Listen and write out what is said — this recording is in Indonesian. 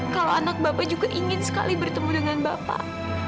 kalau anak bapak juga ingin sekali bertemu dengan bapak